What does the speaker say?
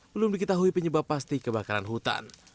belum diketahui penyebab pasti kebakaran hutan